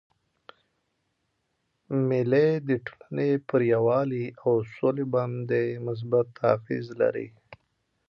مېلې د ټولني پر یووالي او سولي باندي مثبت اغېز لري.